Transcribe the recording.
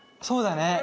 そうだね